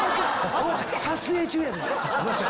撮影中やねん！